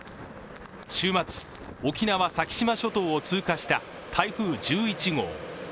週末、沖縄・先島諸島を通過した台風１１号。